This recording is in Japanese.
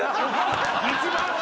一番。